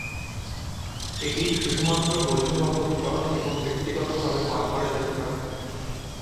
এটি শুধুমাত্র বৈধভাবে উৎপাদন এবং ব্যক্তিগতভাবে পান করা যেতে পারে।